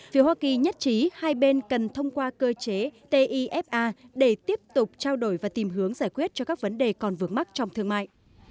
phía hoa kỳ nhất trí hai bên cần thông qua cơ chế tifa để tiếp tục trao đổi và tìm hướng giải quyết cho các vấn đề còn vướng mắt trong thương mại